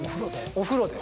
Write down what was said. お風呂で。